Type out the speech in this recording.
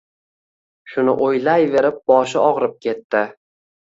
Shuni o’ylayverib, boshi ogʻrib ketdi.